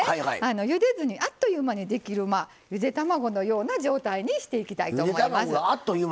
ゆでずに、あっという間にできるゆで卵のような状態にしていこうと思います。